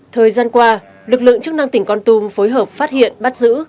thời gian qua lực lượng chức năng tỉnh văn tùng phối hợp phát hiện bắt giữ